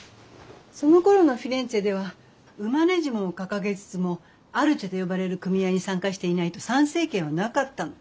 そのころのフィレンツェではウマネジモを掲げつつもアルテと呼ばれる組合に参加していないと参政権はなかったの。